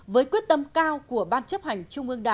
với quyết tâm cao của ban chấp hành trung ương đảng